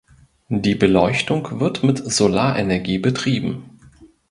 Die Beleuchtung wird mit Solarenergie betrieben.